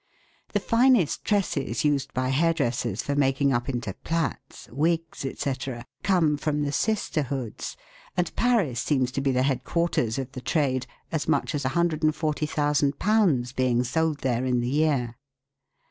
The finest tresses used by hairdressers for making up into plaits, wigs, &c., come from the sisterhoods, and Paris seems to be the headquarters of the trade, as much as i4o,ooolbs. being sold there in the year.